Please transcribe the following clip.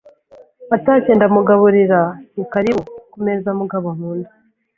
atashye ndamugaburira nti karibu ku meza mugabo nkunda,